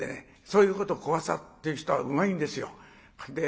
そういうこと小朝っていう人はうまいんですよ。